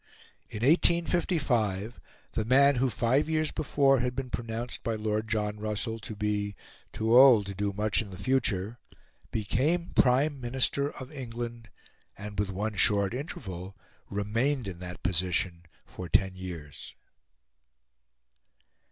In 1855, the man who five years before had been pronounced by Lord John Russell to be "too old to do much in the future," became Prime Minister of England, and, with one short interval, remained in that position for ten years.